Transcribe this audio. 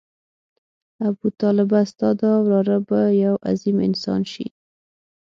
ابوطالبه ستا دا وراره به یو عظیم انسان شي.